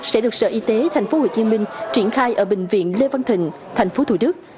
sẽ được sở y tế tp hcm triển khai ở bệnh viện lê văn thịnh tp thủ đức